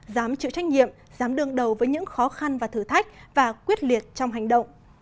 dám chịu trách nhiệm dám đương đầu với những khó khăn và thử thách và quyết liệt trong hành động